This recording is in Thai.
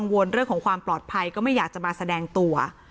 วนเรื่องของความปลอดภัยก็ไม่อยากจะมาแสดงตัว